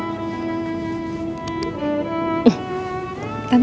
tante kesini ngapain tante